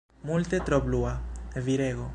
Multe tro blua, virego.